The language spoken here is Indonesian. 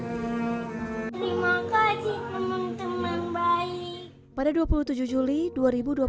terima kasih memang teman baik